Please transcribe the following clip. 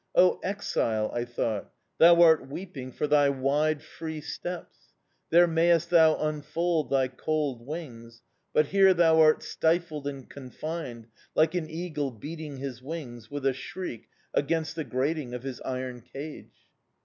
"O Exile," I thought, "thou art weeping for thy wide, free steppes! There mayest thou unfold thy cold wings, but here thou art stifled and confined, like an eagle beating his wings, with a shriek, against the grating of his iron cage!"